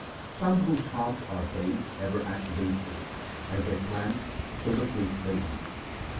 Some whose hearts are base ever act basely ; as they plant, so the fruit they eat.